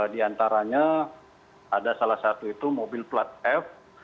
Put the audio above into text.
di antaranya ada salah satu itu mobil plat f